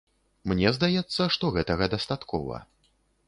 Мне здаецца, што гэтага дастаткова.